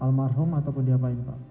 almarhum ataupun diapain pak